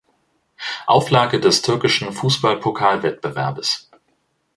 Auflage des türkischen Fußball-Pokalwettbewerbes.